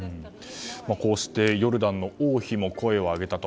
こうしてヨルダンの王妃も声を上げたと。